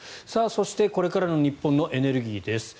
そしてこれからの日本のエネルギーです。